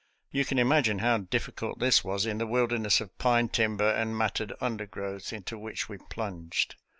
You can imag ine how difficult this was in the wilderness of pine timber and matted undergrowth into which we plunged.